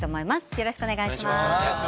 よろしくお願いします。